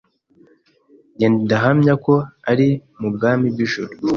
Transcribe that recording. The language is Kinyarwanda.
Njye ndahamya ko ari mu bwami bw’ijuru.